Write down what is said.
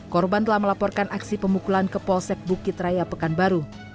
korban telah melaporkan aksi pemukulan ke polsek bukit raya pekanbaru